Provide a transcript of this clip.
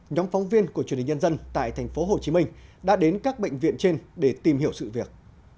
nhóm phóng viên của truyền hình nhân dân tại tp hcm đã đến các bệnh viện trên để tìm hiểu sự việc